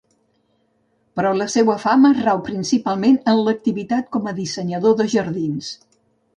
Però la seua fama rau principalment en l'activitat com a dissenyador de jardins.